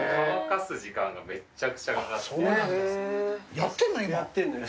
やってんのよ１つ。